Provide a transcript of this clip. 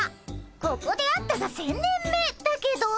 ここで会ったが１，０００年目だけど。